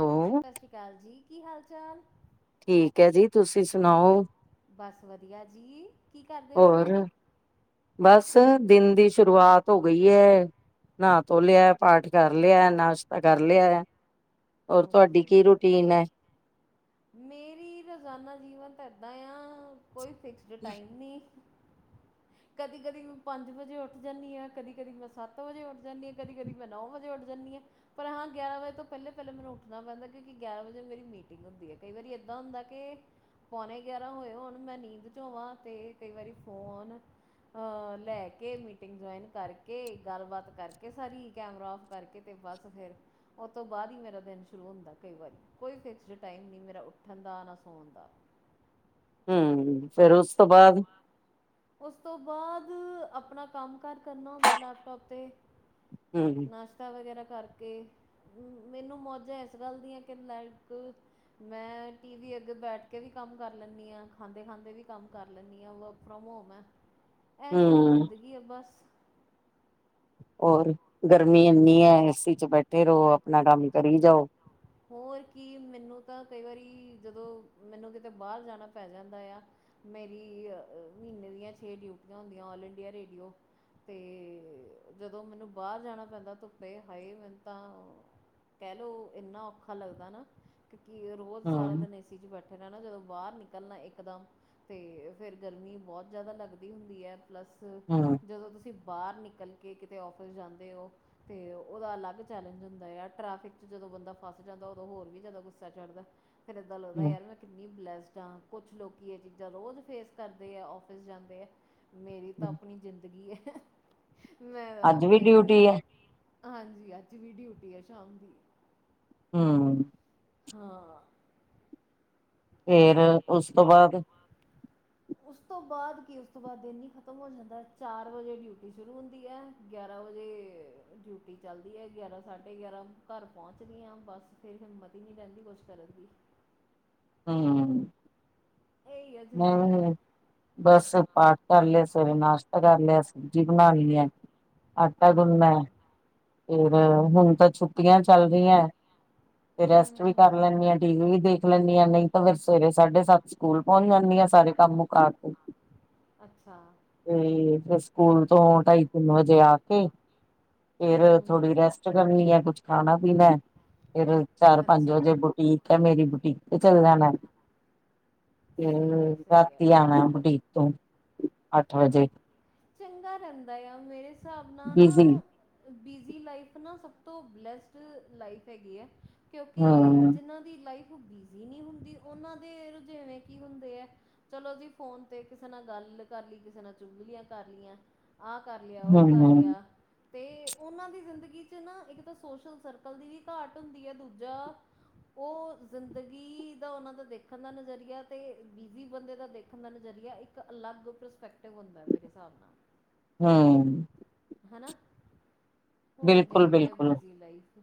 ਹੋ ਸਤਿ ਸ੍ਰੀ ਅਕਾਲ ਜੀ, ਕੀ ਹਾਲ ਚਾਲ? ਠੀਕ ਹੈ ਜੀ, ਤੁਸੀਂ ਸੁਣਾਓ? ਬਸ ਵਧੀਆ ਜੀ। ਕੀ ਕਰਦੇ ਸੀ ਹੋਰ, ਬਸ ਦਿਨ ਦੀ ਸ਼ੁਰੂਆਤ ਹੋ ਗਈ ਹੈ। ਨਾ ਤੋ ਲਿਆ, ਪਾਠ ਕਰ ਲਿਆ, ਨਾਸ਼ਤਾ ਕਰ ਲਿਆ। ਹੋਰ, ਤੁਹਾਡੀ ਓਕੇ ਕੀ ਓਕੇ ਰੂਟੀਨ ਹੈ? ਮੇਰੀ ਰੋਜ਼ਾਨਾ ਦੀ, ਬਸ ਇੱਦਾਂ ਆ, ਕੋਈ ਫਿਕਸ ਰ ਟਾਈਮ ਨਹੀਂ। ਕਦੀ-ਕਦੀ, ਮੈਂ ਪੰਜ ਵਜੇ ਉੱਠ ਜਾਂਦੀ ਹਾਂ। ਕਦੀ- ਕਦੀ, ਮੈਂ ਸੱਤ ਵਜੇ ਉੱਠ ਜਾਂਦੀ ਹਾਂ। ਕਦੀ-ਕਦੀ ਮੈਂ ਨੌ ਵਜੇ ਉੱਡ ਜਾਂਦੀ ਹਾਂ। ਪਰ ਹਾਂ ਗਿਆਰਾਂ ਵਜੇ ਤੋਂ ਪਹਿਲੇ-ਪਹਿਲੇ, ਮੈਨੂੰ ਉੱਠਣਾ ਪੈਂਦਾ ਕਿਉਂਕਿ ਗਿਆਰਾਂ ਵਜੇ, ਮੇਰੀ ਮੀਟਿੰਗੁ ਹੂੰਦੀ ਹੈ। ਕਈ ਵਾਰੀ, ਏਦਾਂ ਹੁੰਦਾ ਕਿ ਪੌਣੇ ਗਿਆਰਾਂ ਹੋਏ ਹੁਣ, ਮੈਂ ਨੀਂਦ 'ਚੋ ਹੋਵਾਂ ਤੇ ਕਈ ਵਾਰੀ ਫੋਨ ਅ ਲੈ ਕੇ ਮੀਟਿੰਗ ਜੁਆਇਨ ਕਰਕੇ, ਗੱਲਬਾਤ ਕਰਕੇ ਸਾਰੀ, ਕੈਮਰਾ ੳਫ ਕਰਕੇ ਤੇ ਬਸ ਫੇਰ, ਉਸ ਤੋਂ ਬਾਅਦ ਹੀ ਮੇਰਾ ਦਿਨ ਸ਼ੁਰੂ ਹੁੰਦਾ ਕਈ ਵਾਰੀ। ਕੋਈ ਫਿਕਸ ਟਾਈਮ ਨਹੀਂ ਮੇਰਾ ਉੱਠਣ ਦਾ, ਨਾ ਸੌਣ ਦਾ। ਹਮ, ਫੇਰ ਉਸ ਤੋਂ ਬਾਅਦ? ਉਸ ਤੋਂ ਬਾਅਦ, ਆਪਣਾ ਕੰਮ-ਕਾਰ ਕਰਨਾ ਹੁੰਦਾ, ਲੈਪਟੋਪ ਤੇ। ਹਮ ਨਾਸ਼ਤਾ ਵਗੈਰਾ ਕਰਕੇ। ਮੈਨੂੰ ਮੌਜਾਂ ਇਸ ਗੱਲ ਦੀਆਂ ਕਿ, ਲਕ ਮੈਂ, ਟੀ ਵੀ ਅੱਗੇ ਬੈਠ ਕੇ ਵੀ ਕੰਮ ਕਰ ਲੈਂਦੀ ਹਾਂ। ਖਾਂਦੇ-ਖਾਂਦੇ ਵੀ ਕੰਮ ਕਰ ਲੈਂਦੀ ਹਾਂ, ਵਰਕ ਫਰੋਮ ਹੋਮ ਹੈ। ਐਸ਼ ਵਾਲੀ ਹਮ ਜ਼ਿੰਦਗੀ ਹੈ ਬਸ। ਔਰ, ਗਰਮੀ ਇੰਨੀ ਹੈ ਏਸੀ 'ਚ ਬੈਠੇ ਰਹਵੋ, ਆਪਣਾ ਕੰਮ ਕਰੀ ਜਾਓ। ਹੋਰ ਕੀ ਮੈਨੂੰ ਤਾਂ ਕਈ ਵਾਰੀ, ਜਦੋਂ ਮੈਨੂੰ ਕਿਤੇ ਬਾਹਰ ਜਾਣਾ ਪੈ ਜਾਂਦਾ ਆ। ਮੇਰੀ ਮਹੀਨੇ ਦੀਆਂ ਛੇ ਡਿਊਟੀਆਂ ਹੁੰਦੀਆਂ, ਆਲ ਇੰਡੀਆ ਰੇਡੀਓ। ਤੇ ਜਦੋਂ ਮੈਨੂੰ ਬਾਹਰ ਜਾਣਾ ਪੈਂਦਾ, ਧੁੱਪੇ ਹਾਏ, ਮੈਨੂੰ ਤਾਂ ਕਹਿਲੋ ਇੰਨਾ ਔਖਾ ਲੱਗਦਾ ਨਾ, ਕਿਉਕਿ ਰੋਜ਼ ਸਾਰਾ ਹਮ ਦਿਨ ਏਸੀ 'ਚ ਬੈਠੇ ਰੈਨਾ, ਜਦੋਂ ਬਾਹਰ ਨਿਕਲਣਾ ਇੱਕਦਮ ਤੇ ਫਿਰ, ਗਰਮੀ ਬਹੁਤ ਜ਼ਿਆਦਾ ਲੱਗਦੀ ਹੁੰਦੀ ਹੈ। ਪਲੱਸ ਹਮ ਜਦੋਂ ਤੁਸੀਂ ਬਾਹਰ ਨਿਕਲ ਕੇ ਕਿਤੇ ਔਫਿਸ ਜਾਂਦੇ ਹੋ, ਤੇ ਉਹਦਾ ਅਲੱਗ ਚੈਲੇਂਜ ਹੁੰਦਾ ਆ ਟ੍ਰੈਫਿਕ 'ਚ। ਜਦੋਂ ਬੰਦਾ ਫਸ ਜਾਂਦਾ ਉਦੋਂ ਹੋਰ ਵੀ ਜ਼ਿਆਦਾ ਗੁੱਸਾ ਚੜਦਾ ਫੇਰ ਏਦਾਂ ਹਮ ਲੱਗਦਾ ਯਾਰ ਮੈਂ। ਕਿੰਨੀ ਬਲੈਸਡ ਹਾਂ ਕੁਛ ਲੋਕ ਇਹ ਚੀਜ਼ਾਂ ਰੋਜ਼ ਫੇਸ ਕਰਦੇ ਆ ਔਫਿਸ ਜਾਂਦੇ ਹੈ। ਮੇਰੀ ਤਾਂ ਹਮ ਆਪਣੀ ਜ਼ਿੰਦਗੀ ਹੈ ਮੈਂ ਤਾਂ ਅੱਜ ਵੀ ਆਪਣੀ ਹੈ ਡਿਊਟੀ, ਹਾਂਜੀ ਅੱਜ ਵੀ ਡਿਊਟੀ ਆ ਸ਼ਾਮ ਦੀ। ਹੂੰ। ਹਾਂ। ਫੇਰ ਉਸ ਤੋਂ ਬਾਅਦ, ਉਸ ਤੋਂ ਬਾਅਦ ਕੀ ਉਸ ਤੋਂ ਬਾਅਦ ਦਿਨ ਹੀ ਖ਼ਤਮ ਹੋ ਜਾਂਦਾ ਚਾਰ ਵਜੇ ਡਿਊਟੀ ਸ਼ੁਰੂ ਹੁੰਦੀ ਹੈ। ਗਿਆਰਾਂ ਵਜੇ ਡਿਊਟੀ ਚੱਲਦੀ ਹੈ ਗਿਆਰਾਂ ਸਾਢੇ ਗਿਆਰਾਂ ਘਰ ਪਹੁੰਚਦੀ ਹਾਂ ਬਸ। ਫਿਰ ਹਿਮਤੀ ਨਹੀ ਰਹਿੰਦੀ ਕੁਛ ਕਰਨ ਦੀ। ਹੂੰ। ਇਹੀ ਆ ਜ਼ਿੰਦਗੀ। ਬਸ ਪਾਠ ਕਰ ਲਿਆ ਸਵੇਰੇ ਨਾਸ਼ਤਾ ਕਰ ਲਿਆ ਸਬਜ਼ੀ ਬਣਾ ਲਈ ਆ। ਅੱਟਾ ਹਾਂ ਗੁਣਣਾਂ ਹਾਂ ਹੈ। ਫਿਰ ਹੁਣ ਤਾਂ ਛੁੱਟੀਆਂ ਚੱਲ ਰਹੀਆ ਤੇ ਰੈਸਟ ਵੀ ਹੂੰ ਕਰ ਲੈਂਣੀ ਹਾਂ ਟੀ ਵੀ ਦੇਖ ਲੈਂਣੀ ਹਾਂ ਨਹੀਂ ਤਾਂ ਫਿਰ ਸਵੇਰੇ ਸਾਢੇ ਸੱਤ, ਸਕੂਲ ਪਹੁੰਚ ਜਾਂਣੀ ਹਾ ਸਾਰੇ ਕੰਮ ਮੁਕਾ ਅੱਛਾ। ਤੇ ਫੇਰ ਸਕੂਲ ਤੋਂ ਢਾਈ ਤਿੰਨ ਵਜੇ ਆ ਕੇ ਫੇਰ ਹੂੰ ਹੂੰ ਥੋੜੀ ਰੈਸਟ, ਹੂੰ ਰੈਸਟ ਕਰਨੀ ਹਾਂ ਕੁਛ ਖਾਣਾ ਪੀਣਾ ਫੇਰ ਚਾਰ ਪੰਜ ਅੱਛਾ ਵਜੇ ਬੁਟੀਕ ਹੈ ਮੇਰੀ ਬੁਟੀਕ, ਤੇ ਚੱਲ ਜਾਣਾ ਸਹੀ ਹੈ ਫੇਰ ਸਹੀ ਹੈ ਰਾਤੀ ਆਣਾ ਬੁਡੀ ਤੋ ਅੱਠ ਵਜੇ। ਚੰਗਾ ਰਹਿੰਦਾ ਆ ਮੇਰੇ ਹਿਸਾਬ ਨਾਲ ਨਾ ਬਿਜੀ ਓ। ਬਿਜ਼ੀ ਲਾਈਫ ਨਾ ਸਭ ਤੋਂ ਬਲੈਸਟ ਲਾਈਫ ਹੈਗੀ ਹੈ। ਕਿਉਂਕਿ ਹਮ ਜਿਨ੍ਹਾਂ ਦੀ ਲਾਈਫ ਬਿਜ਼ੀ ਨਹੀਂ ਹੁੰਦੀ ਉਹਨਾਂ ਦੇ ਰੁਝੇਵੇਂ ਕੀ ਹੁੰਦੇ ਹੈ। ਚਲੋ ਜੀ ਫੋਨ ਤੇ ਕਿਸੇ ਨਾਲ ਗੱਲ, ਕਰ ਲਈ ਕਿਸੇ ਨਾਲ ਚੁੰਗਲੀਆਂ ਕਰ ਲਈਆ ਆਹ ਕਰ ਲਿਆ ਉਹ ਹਮ ਕਰ ਹਮ ਲਿਆ। ਤੇ ਉਹਨਾਂ ਦੀ ਜ਼ਿੰਦਗੀ ਚ ਨਾ ਇੱਕ ਤਾਂ ਸੋਸ਼ਲ ਸਰਕਲ ਦੀ ਵੀ ਘਾਟ ਹੁੰਦੀ ਹੈ ਦੂਜਾ, ਉਹ ਜ਼ਿੰਦਗੀ ਦਾ ਉਹਨਾਂ ਦਾ ਦੇਖਣ ਦਾ ਨਜ਼ਰੀਆ ਤੇ ਬਿਜ਼ੀ ਬੰਦੇ ਦਾ ਦੇਖਣ ਦਾ ਨਜ਼ਰੀਆ ਇੱਕ ਇੱਕ ਅਲੱਗ ਪਰਸਪੈਕਟਿਵ ਹੁੰਦਾ ਮੇਰੇ ਹਿਸਾਬ ਨਾਲ। ਹੂੰ। ਹਨਾ ਹੋਣੀ ਬਿਲਕੁਲ ਚਾਹੀਦੀ ਹੈ ਬਿਲਕੁਲ ਬਿਜ਼ੀ ਲਾਈਫ।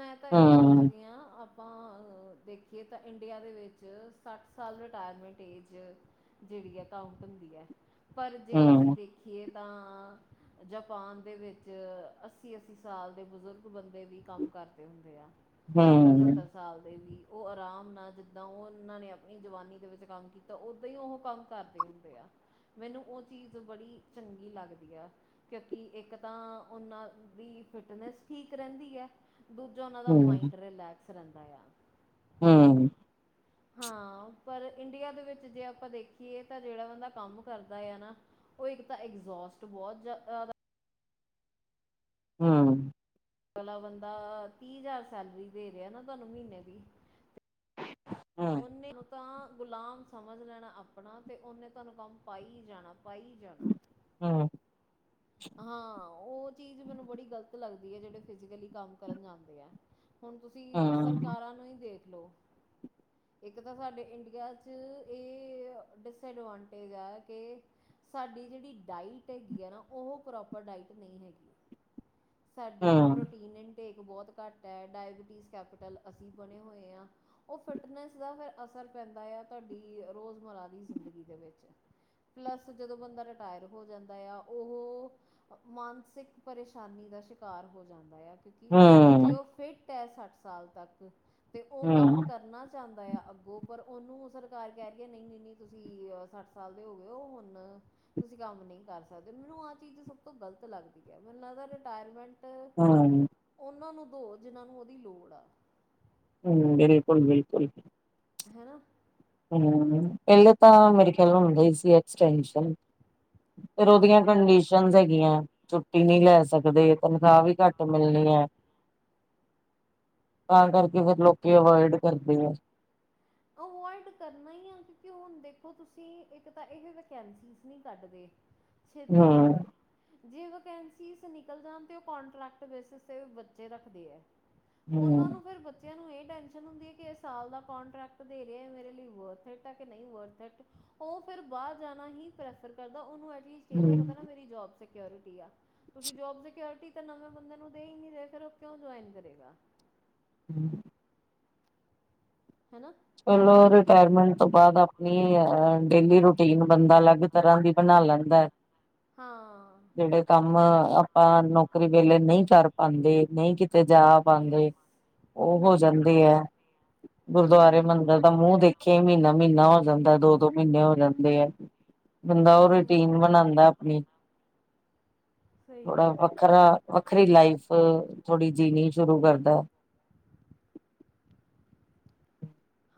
ਮੈਂ ਤਾਂ ਇਹ ਹਮ ਸੋਚਦੀ ਹਾਂ ਆਪਾਂ ਦੇਖੀਏ ਤਾਂ ਇੰਡੀਆ ਦੇ ਵਿੱਚ ਸੱਠ ਸਾਲ ਰਿਟਾਇਰਮੈਂਟ ਏਜ, ਜਿਹੜੀ ਹੈ ਕਾਊਂਟ ਹੁੰਦੀ ਹੈ ਪਰ ਜੇ ਅਸੀਂ ਹਮ ਦੇਖੀਏ ਤਾਂ ਜਪਾਨ ਦੇ ਵਿੱਚ ਅੱਸੀ-ਅੱਸੀ ਸਾਲ ਦੇ ਬਜ਼ੁਰਗ ਬੰਦੇ ਵੀ ਕੰਮ ਕਰਦੇ ਹੁੰਦੇ ਆ। ਹਮ ਸੱਤਰ-ਸੱਤਰ, ਸਾਲ ਦੇ ਵੀ ਉਹ ਆਰਾਮ ਨਾਲ ਜਿੱਦਾਂ ਉਹਨਾਂ ਨੇ ਆਪਣੀ ਜਵਾਨੀ ਦੇ ਵਿੱਚ ਕੰਮ ਕੀਤਾ ਉੱਦਾਂ ਹੀ ਉਹ ਕੰਮ, ਕਰਦੇ ਹੁੰਦੇ ਆ ਮੈਨੂੰ ਉਹ ਚੀਜ਼ ਬੜੀ ਚੰਗੀ ਲੱਗਦੀ ਆ। ਕਿਉਂਕਿ ਇੱਕ ਤਾਂ ਉਹਨਾਂ ਦੀ ਫਿਟਨੈਸ ਠੀਕ ਰਹਿੰਦੀ ਹੈ। ਦੂਜਾ ਉਹਨਾਂ ਦਾ ਮਾਇੰਡ ਰਿਲੈਕਸ ਰਹਿੰਦਾ ਆ। ਹੂੰ। ਹਾਂ ਪਰ ਇੰਡੀਆ ਦੇ ਵਿੱਚ ਜੇ ਆਪਾਂ ਦੇਖੀਏ ਤਾਂ ਜਿਹੜਾ ਬੰਦਾ ਕੰਮ ਕਰਦਾ ਆ ਨਾ, ਉਹ ਇੱਕ ਤਾਂ ਐਗਜੋਸਟ ਬਹੁਤ ਜਿਆਦਾ ਹੂੰ। ਅਗਲਾ ਬੰਦਾ ਤੀਹ ਜ਼ਾਰ ਸੈਲਰੀ ਦੇ ਰੇਯਾ ਨਾ ਤੁਆਨੂੰ ਮੀਨੇ ਦੀ ਤੇ ਔਨੇ ਤਾਂ ਗੁਲਾਮ ਸਮਝ ਲੈਣਾ ਆਪਣਾ ਤੇ ਔਨੇ ਤੁਆਨੂੰ ਕੰਮ ਪਾਈ ਜਾਣਾ, ਪਾਈ ਜਾਣਾ। ਹੁੰ। ਹਾਂ, ਔ ਚੀਜ਼ ਮੈਨੂੰ ਬੜੀ ਗ਼ਲਤ ਲੱਗਦੀ ਏ, ਜੇੜੇ ਫਿਜਿਕਲੀ ਕੰਮ ਕਰਨ ਜਾਂਦੇ ਐ। ਹੁਣ ਤੁਸੀਂ ਸਰਕਾਰਾਂ ਨੂੰ ਹੀ ਦੇਖ ਲਓ ਏਕ ਤਾਂ ਸਾਡੇ ਇੰਡੀਆ 'ਚ ਏ ਡਿਸਐਡਵਾਂਟੇਜ ਐ ਕੇ ਸਾਡੀ ਜੇੜੀ ਡਾਇਟ ਹੈਗੀ ਆ ਨਾ ਔ ਪ੍ਰੋਪਰ ਡਾਇਟ ਨਈਂ ਹੈਗੀ, ਸਾਡੀ ਪ੍ਰੋਟੀਨ ਇ ਟੇਕ ਬੋਤ ਘੱਟ ਐ, ਡਾਇਬਟੀਜ਼ ਕੈਪੀਟਲ ਅਸੀਂ ਬਣੇ ਹੋਏ ਆਂ। ਔ ਫਿਟਨੈਸ ਦਾ ਫੇਰ ਅਸਰ ਪੈਂਦਾ ਯਾ, ਤੁਆਡੀ ਰੋਜਮਰਰਾ ਦੀ ਜ਼ਿੰਦਗੀ ਦੇ ਵਿੱਚ। ਪਲੱਸ ਜਦੋਂ ਬੰਦਾ ਰਿਟਾਯਰ ਹੋ ਜਾਂਦਾ ਆ ਓਹੋ ਮਾਨਸਿਕ ਪਰੇਸ਼ਾਨੀ ਦਾ ਸ਼ਿਕਾਰ ਹੋ ਜਾਂਦਾ ਯਾ ਕਿਉਂਕਿ ਜੇ ਔ ਫਿੱਟ ਐਸੱਠ ਸਾਲ ਤੱਕ, ਤੇ ਔ ਕੰਮ ਕਰਨਾ ਚਾਂਦਾ ਯਾ ਅੱਗੋਂ ਪਰ, ਔਨੂੰ ਸਰਕਾਰ ਕੈ ਰੀਏ ਨਈਂ-ਨਈਂ-ਨਈਂਤੁਸੀਂ ਸੱਠ ਸਾਲ ਦੇ ਹੋ ਗਏਔ ਹੁਣ ਤੁਸੀਂ ਕੰਮ ਨਈਂ ਕਰ ਸਕਦੇ, ਮੈਨੂੰ ਆਹ ਚੀਜ਼ ਸਭ ਤੋਂ ਗ਼ਲਤ ਲੱਗਦੀ ਐ ਮੈਨੂੰ ਲਗਦੈ ਰਿਟਾਇਰਮੈਂਟ ਹਾਂ ਔਨਾਂ ਨੂੰ ਦੋ, ਜਿਨ੍ਹਾਂ ਨੂੰ ਔਦੀ ਲੋੜ ਆ। ਹੁੰ, ਬਿਲਕੁਲ-ਬਿਲਕੁਲ। ਹੈਨਾ? ਹੁੰ, ਪੈਲੇੇ ਤਾਂ ਮੇਰੇ ਖਯਾਲ ਹੁੰਦੇ ਸੀ, ਐਕਸਟੈਸਨ ਫੇਰ ਔਦੀਆਂ ਹੂੰ ਕੰਨਡੀ ਹੈਗੀਆਂ ਛੁੱਟੀ ਨੀ ਲੈ ਸਕਦੇ, ਤਨਖਾਹ ਵੀ ਘੱਟ ਮਿਲਣੀ ਐ। ਤਾਂ ਕਰਕੇ ਫੇਰ ਲੋਕੀ ਅਵੋਇਡ ਕਰਦੇ ਐ। ਅਵੋਇਡ ਕਰਨਾ ਈਆ ਕਿਉਂਕਿ, ਹੁਣ ਦੇਖੋ ਤੁਸੀਂ ਏਕ ਤਾਂ ਏਦੇ ਵੈਕੈਂਸੀਸ ਨੀਂ ਕਟਦੇ। [inaudible] ਛੇਤੀ ਹਮ ਕਿਤੇ ਜੇ ਵਸੈਂਸੀਸ ਨਿਕਲ ਜਾਣ ਤੇ ਕੌਨਟਰੈਕਟ ਬੇਸਿਸ ਤੇ ਬੱਚੇ ਰੱਖਦੇ ਐ। ਔਨਾਂ ਹਮ ਨੂੰ ਫੇਰ ਬੱਚਿਆਂ ਨੂੰ ਏ ਟੈਸ਼ਨ ਹੁੰਦੀ ਐ, ਕਿ ਐ ਸਾਲ ਦਾ ਕੋਂਟਰੈਕਟ ਦੇ ਰੇਐ ਮੇਰੇ ਲਈ ਵਰਥ ਐ ਕਿ ਨਈ ਵਰਥ ਔ ਫੇਰ ਬਾਰ ਜਾਣਾ ਈ ਪ੍ਰੈਫਰ ਕਰਦਾ, ਓਨੁ ਐਟਲਿਸਟ ਏ ਪਤਾ ਹਮ ਨਾ ਮੇਰੀ ਜੋਬ ਸ ਸਿਕਓਰਿਟੀ ਆ, ਤੁਸੀ ਸੀਕਔਰੀਟੀ ਤਾਂ ਨਵੇਂ ਬੰਦੇ ਨੂੰ ਦੇ ਈ ਨੀ ਰੇ, ਫੇਰ ਔ ਕਿਉਂ ਜੋਇਨ ਕਰੇਗਾ? [inaudible] ਹੈਨਾ? ਚਲੋ ਰਿਟਾਇਰਮੈਂਟ ਤੋਂ ਬਾਦ ਆਪਨੀ ਅ ਡੇਲੀ ਰੂਟੀਨ ਬੰਦਾ ਅਲੱਗ ਤਰ੍ਹਾਂ ਦੀ ਬਣਾ ਲੈਂਦੈ। [inaudible] ਹਾਂ। ਜੇੜੇ ਕੰਮ ਆਪਾਂ ਨੌਕਰੀ ਵੇਲੇ ਨਈਂ ਕਰ ਪਾਂਦੇ, ਨਈਂ ਕਿਤੇ ਜਾ ਯੈਸ ਪਾਂਦੇ ਓ ਹੋ ਹਮ ਜਾਂਦੇ ਐ। ਗੁਰਦੁਆਰੇ, ਹਾਂਜੀ ਹਾਂਜੀ ਮੰਦਿਰ ਦਾ ਮੂੰਹ ਬਿਲਕੁਲ ਦੇਖਿਆ ਕਈ ਮਿਨਾ-ਮੀਨਾ ਹੋ ਜਾਂਦੈ, ਦੋ-ਦੋ ਮੀਨੇ ਹੋ ਜਾਂਦੇ ਆ ਬੰਦਾ ਓ ਹਮ ਰੂਟੀਨ ਬਨਾਂਦੈ ਅਪਨੀ। ਸਹੀ ਥੋੜਾ ਕਿਹਾ ਸਹੀ ਤੂੰ ਵੱਖਰਾ ਵੱਖਰੀ ਲਾਈਫ ਥੋੜੀ ਜੀਨੀ ਸ਼ੁਰੂ ਕਰਦੈ ਓ।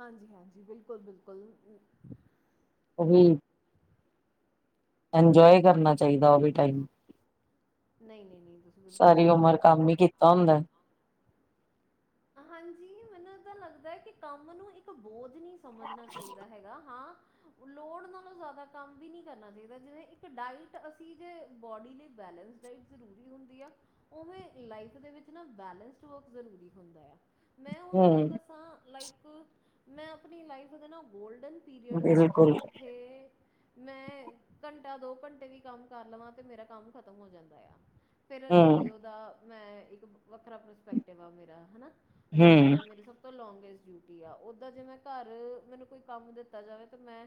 ਹਾਂਜੀ-ਹਾਂਜੀ, ਬਿਲਕੁਲ-ਬਿਲਕੁਲ। [inaudible] ਇੰਜੋਏ ਕਰਨਾ ਚਾਈਦਾ, ਓਵੀ ਟਾਈਮ। ਨਹੀਂ- ਨਹੀਂ -ਨਹੀਂ ਤੁਸੀਂ, ਬਿਲਕੁਲ ਸਹੀ ਗੱਲ ਕਹੀ ਹੈ ਆਉਦਾ ਐ ਹਾਂਜੀ, ਮੈਨੂੰ ਏਦਾਂ ਲੱਗਦਾ ਹੈ ਕਿ, ਕੰਮ ਨੂੰ ਇੱਕ ਆਪਾਂ ਬੋਝ ਨਹੀਂ ਸਮਝਣਾ ਚਾਹੀਦਾ ਹੈਗਾ, ਹਾਂ ਲੋੜ ਨਾਲੋਂ ਜ਼ਿਆਦਾ ਕੰਮ ਵੀ ਨਹੀਂ ਕਰਨਾ ਚਾਹੀਦਾ, ਜਿਵੇਂ ਇੱਕ ਡਾਇਟ ਅਸੀਂ ਜੇ ਬੋਡੀ ਲਈ ਬੈਲੇਂਸ ਡਾਈਟ ਜ਼ਰੂਰੀ ਹੁੰਦੀ ਆ, ਉਵੇਂ ਲਾਈਫ ਦੇ ਵਿੱਚ ਨਾ ਬੈਲੈਂਸਡ ਵਰਕ ਬਹੁਤ ਜ਼ਰੂਰੀ ਹੁੰਦਾ ਆ, ਮੈਂ ਹੁਣ ਹਮ ਤੁਹਾਨੂੰ ਦੱਸਾਂ ਲਾਈਕ, ਮੈਂ ਆਪਣੀ ਲਾਈਫ ਦੇ ਨਾ ਗੋਲਡਨ ਪੀਰੀਅਡ ਦੇ ਵਿੱਚ ਬਿਲਕੁਲ ਜਿੱਥੇ ਮੈਂ ਘੰਟਾ -ਦੋ ਘੰਟੇ ਵੀ ਕੰਮ ਕਰ ਲਵਾਂ, ਤੇ ਮੇਰਾ ਕੰਮ ਖਤਮ ਹੋ ਜਾਂਦਾ ਆ ਫਿਰ ਹਮ ਰੇਡੀਓ ਦਾ ਮੈਂ ਇੱਕ ਵੱਖਰਾ ਪ੍ਰਸਪੈਕਟਿਵ ਆ ਮੇਰਾ, ਹੈ ਨਾ ਰੇਡੀਓ ਹਮ ਦਾ ਮੇਰੇ ਸਭ ਤੋਂ ਲੌਂਗੈਸਟ ਡਿਊਟੀ ਆ, ਉੱਦਾਂ ਜੇ ਮੈਂ ਘਰ ਮੈਨੂੰ ਕੋਈ ਕੰਮ ਦਿੱਤਾ ਜਾਵੇ ਤਾਂ ਮੈਂ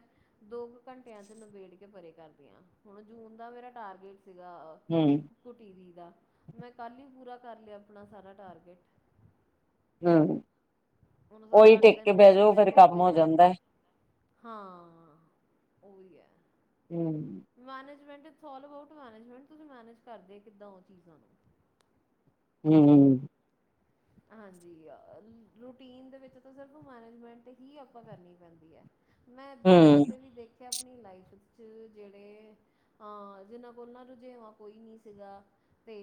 ਦੋ ਕੁ ਘੰਟਿਆਂ 'ਚ ਨਿਬੇੜ ਕੇ ਪਰੇ ਕਰਦੀ ਆਂ, ਹੁਣ ਜੂਨ ਦਾ ਮੇਰਾ ਟਾਰਗੇਟ ਸੀਗਾ- ਹੂ - ਔ ਟੀ ਵੀ ਦਾ, ਮੈ ਕਲ ਹੀ ਪੂਰਾ ਕਰ ਲਿਆ ਆਪਣਾ ਸਾਰਾ ਟਾਰਗੇਟ- ਹੂ - ਹੁਣ ਸੱਤ ਅੱਠ ਦਿਨ ਮੇਰੇ ਫੇਰ ਕੋਲ ਕੰਮ ਕੋਈ ਹੋ ਕਮ ਨਹੀ- ਜਾਂਦਾ ਹਾਂ ਉਹ ਵੀ ਹੈ। ਹੂ ਮੈਨੇਜਮੈਂਟ ਸੋਲਵ ਆਊਟ ਮੈਨੇਜਮੈਂਟ, ਤੁਸੀ ਮੈਨੇਜ ਕਰਦੇ ਕਿਦਾਂ ਉਹ ਚੀਜਾ ਨੂੰ- ਹੂ ਹੂ ਹਾਂਜੀ ਰੂਟੀਨ ਦੇ ਵਿਚ ਤਾਂ ਸਿਰਫ ਮੈਨੇਜਮੈਂਟ ਹੀ ਆਪਾ ਕਰਨੀ ਪੈਦੀ ਹੈ। ਮੈ ਇਦਾਂ ਦੇ ਬੰਦੇ ਵੀ ਦੇਖੇ ਆਪਣੀ ਲਾਈਫ 'ਚ, ਜਿਹੜੇ- ਹਾਂ ਜਿਨਾ ਕੋਲ ਨਾ ਰੱਜੇਵਾਂ ਕੋਈ ਨੀ ਸੀਗਾ- ਤੇ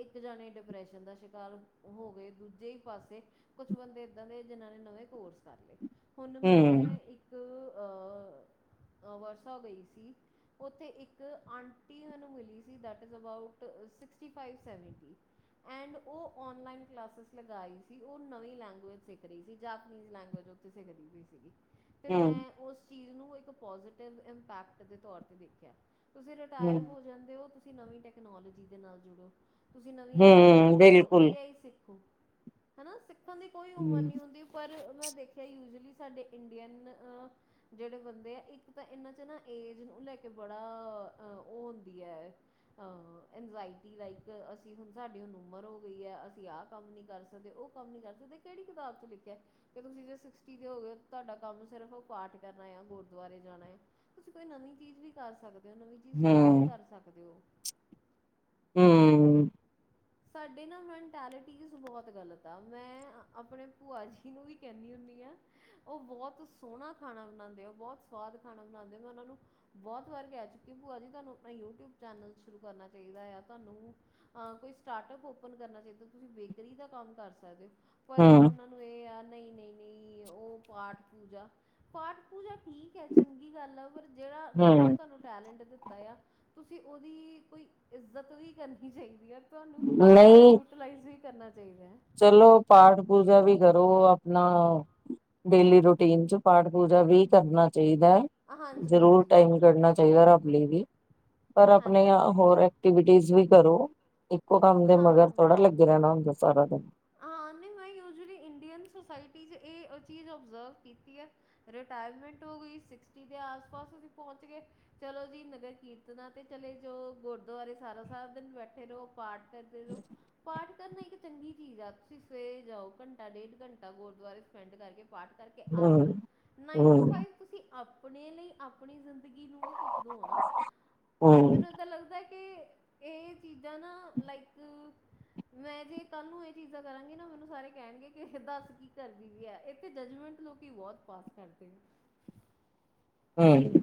ਇਕ ਜਾਣੇ ਡਿਪਰੈਸ਼ਨ ਦਾ ਸ਼ਿਕਾਰ- ਹੋ ਗਏ, ਦੂਜੇ ਹੀ ਪਾਸੇ ਕੁਛ ਬੰਦੇ ਏਦਾ ਦੇ ਜਿਨਾ ਨੇ ਨਵੇ ਕੋਰਸ ਕਰ ਲਏ- ਹੁਣ ਮੈ ਇਕ ਆਵਰਸਾ ਗਈ ਸੀ- ਉਥੇ ਇਕ ਆਂਟੀ ਸਾਨੂੰ ਮਿਲੀ ਸੀ, they that is about sixty five seventy- and ਉਹ- ਔਨਲਾਈਨ ਕਲਾਸਿਸ ਲਗਾਈ ਸੀ ਉਹ ਨਵੀ ਲੈਂਗੁਏਜ ਸਿਖ ਰਹੀ ਸੀ, ਜਾਪਨੀਜ ਲੈਗੁਏਜ ਉਥੇ ਸਿਖਦੀ ਵੀਈ ਸੀਗੀ- ਤੇ ਮੈ ਉਸ ਚੀਜ ਨੂੰ ਇੱਕ ਪੋਜ਼ਟਿਵ ਇੰਪੈਕਟ ਦੇ ਤੋਰ ਤੇ ਦੇਖਿਆ- ਤੁਸੀਂ ਰਿਟਾਇਰ ਹੋ ਜਾਦੇ ਹੋ, ਤੁਸੀ ਨਵੀ ਟੈਕਨੋਲੋਜੀ ਦੇ ਨਾਲ ਜੁੜਓ, ਤੁਸੀ ਨਵੀਆਂ ਚੀਜਾ ਸਿੱਖੋ - ਏ ਆਈ ਸਿਖੋ, ਹੈਨਾ ਸਿਖਣ ਦੀ ਕੋਈ ਉਮਰ ਨਹੀ ਹੁੰਦੀ- ਪਰ ਮੈ ਦੇਖਿਆ ਯੂਜਅਲੀ ਸਾਡੇ ਇਡੀਅਨ- ਜਿਹੜੇ ਬੰਦੇ ਐ, ਇਕ ਤਾਂ ਇਹਨਾਂ 'ਚ ਨਾ ਏਜ ਨੂੰ ਲੈ ਕੇ ਬੜਾ ਉਹ ਹੁੰਦੀ ਹੈ। ਹਾਂ ਇੰਜਾਇਟੀ ਲਾਈਕ ਅਸੀ, ਹੁਣ ਸਾਡੇ ਹੁਣ ਉਮਰ ਹੋ- ਕੋਈ ਹ ਅਸੀ ਆਹ ਕਮ ਨਹੀ ਕਰ ਸਕਦੇ, ਉਹ ਕਮ ਨਹੀ ਕਰ ਸਕਦੇ, ਕਿਹੜੀ ਕਿਤਾਬ 'ਚ ਲਿਖਿਆ- ਫੇਰ ਤੁਸੀ ਜੇ ਸਿਕਸਟੀ ਦੇ ਹੋ ਗਏ ਹੋ, ਤੁਹਾਡਾ ਕਮ ਸਿਰਫ ਪਾਠ ਕਰਨਾ ਆ ਗੁਰਦੁਆਰੇ ਜਾਣਾ ਆ- ਤੁਸੀ ਕੋਈ ਨਵੀ ਚੀਜ ਵੀ ਕਰ ਸਕਦੇ ਹੋ, ਨਵੀ ਚੀਜ ਟਰਾਈ ਕਰ ਸਕਦੇ ਹੋ- ਹੂ ਸਾਡੇ ਨਾ ਮੈਂਟੈਲਿਟੀਜ਼ ਬਹੁਤ ਗਲਤ ਆ, ਮੈ ਆਪਣੇ ਭੂਆ ਜੀ ਨੂੰ ਵੀ ਕਹਿਨੀ ਹੁੰਨੀ ਆਂ ਉਹ ਬਹੁਤ ਸੋਹਣਾ ਖਾਣਾ ਬਣਾਉਦੇ ਐ, ਉਹ ਬਹੁਤ ਸਵਾਦ ਖਾਣਾ ਬਣਾਉਦੇ ਮੈਂ ਉਨਾਨੂੰ- ਬਹੁਤ ਵਾਰ ਕਹਿ ਚੁੱਕੀ, ਭੂਆ ਜੀ ਤੁਹਾਨੂੰ ਆਪਣਾ ਯੂਟਿਊਬ ਚੈਨਲ ਸ਼ੁਰੂ ਕਰਨਾ ਚਾਹੀਦਾ ਆ ਤੁਹਾਨੂੰ- ਹਾਂ ਕੋਈ ਸਟਾਰਟਅਪ ਓਪਨ ਕਰਨਾ ਚਾਹੀਦਾ, ਤੁਸੀ ਬੇਕਰੀ ਦਾ ਕਮ ਕਰ ਸਕਦੇ ਹੋ ਪਰ ਉਹਨਾ- ਉਨ੍ਹਾਂਨੂੰ ਇਹ ਆ ਨਹੀ- ਨਹੀ- ਨਹੀ ਉਹ ਪਾਠ ਪੂਜਾ- ਪਾਠ ਪੂਜਾ ਠੀਕ ਹੈ ਚੰਗੀ ਗੱਲ ਆ, ਪਰ ਜਿਹੜਾ ਰੱਬ ਨੇ ਤੁਹਾਨੂੰ- ਟੈਲੈਂਟ ਦਿਤਾ ਆ ਤੁਸੀਂ ਉਹਦੀ ਕੋਈ ਇੱਜਤ ਵੀ ਕਰਨੀ ਚਾਹੀਦੀ ਆ- ਤੁਹਾਨੂੰ ਉਹਦਾ ਯੂਟੀਲਾਈਜ਼ ਵੀ ਕਰਨਾ ਚਾਹੀਦਾ ਹੈ। ਚਲੋ ਪਾਠ ਪੂਜਾ ਵੀ ਕਰੋ ਆਪਣਾ- ਡੇਲੀ ਰੂਟੀਨ 'ਚ ਪਾਠ ਪੂਜਾ ਵੀ ਕਰਨਾ ਚਾਹੀਦਾ ਹੈ। ਹਾਂਜੀ ਜ਼ਰੂਰ ਹਾਂਜੀ ਟਾਈਮ ਕੱਢਣਾ ਚਾਹੀਦਾ ਰੱਬ ਲਈ ਵੀ ਪਰ ਆਪਣੇ ਹਾਂਜੀ ਹੋਰ- ਵੀ ਕਰੋ ਇਕੋ ਕਮ ਦੇ ਹਾਂ ਮਗਰ ਥੋੜਾ ਲਗੇ ਰਹਿਣਾ ਹੁੰਦਾ ਸਾਰਾ ਦਿਨ- ਹਾਂ ਨਹੀ ਮੈ ਯੂਜਲੀ ਇੰਡੀਅਨ ਸੋਸਾਇਟੀ 'ਚ ਇਹ ਚੀਜ਼ ਓਬਜ਼ਰਵ ਕੀਤੀ ਹੈ। ਰਿਟਾਇਰਮੈਂਟ ਹੋ ਗਈ ਸਿਕਸਟੀ ਦੇ ਆਸ ਪਾਸ ਤੁਸੀਂ ਪਹੁੰਚ ਗਏ- ਚਲੋ ਜੀ ਨਗਰ ਕੀਰਤਨਾਂ ਤੇ ਚਲੇ ਜੋ ਗੁਰਦੁਆਰੇ ਸਾਰਾ ਸਾਰਾ ਦਿਨ ਬੈਠੇ ਰਹੋ ਪਾਠ- ਕਰਦੇ ਰਹੋ ਪਾਠ ਕਰਨਾ ਇਕ ਚੰਗੀ- ਠੀਕ ਆ ਤੁਸੀਂ ਸਵੇਰੇ ਜਾਓ ਘੰਟਾ ਡੇਢ ਘੰਟਾ ਗੁਰਦੁਆਰੇ ਸਪੈਂਡ ਕਰਕੇ ਪਾਠ- ਕਰਕੇ ਆ ਜਾਓ ਹੂੰ, ਨਾਈਨ ਟੂ ਹੂੰ, ਫਾਈਵ ਤੁਸੀਂ ਆਪਣੇ ਲਈ ਆਪ- ਆਪਣੀ ਜ਼ਿੰਦਗੀ ਨੂੰ ਵੀ ਕੁੱਛ ਦੋ ਨਾ ਹੂੰ, ਮੈਨੂੰ ਏਦਾ ਲੱਗਦਾ- ਕਿ ਇਹ ਚੀਜਾਂ ਨਾ ਲਾਈਕ ਮੈ ਜੇ ਕੱਲ ਨੂੰ- ਚੀਜਾ ਕਰਾਂਗੇ ਨਾ ਮੈਨੂੰ ਸਾਰੇ ਕਹਿਣਗੇ ਕਿ ਦੱਸ ਕੀ ਕਰਦੀ ਵੀ ਹੈ। ਇਥੇ ਜੱਜਮੈਂਟ ਲੋਕ ਬਹੁਤ ਪਾਸ ਕਰਦੇ ਹੂੰ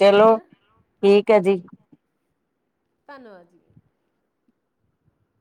ਚਲੋ ਹਨਾ ਠੀਕ ਹੈ ਜੀ ਧੰਨਵਾਦ ਜੀ।